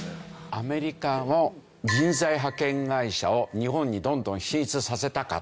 アメリカの人材派遣会社を日本にどんどん進出させたかった。